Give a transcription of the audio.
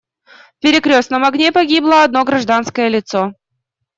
В перекрёстном огне погибло одно гражданское лицо.